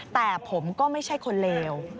แต่ผมก็ไม่ใช่คนเลว